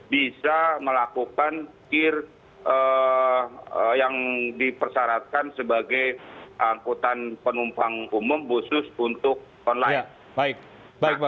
bisa melakukan kir yang dipersyaratkan sebagai angkutan penumpang umum khusus untuk online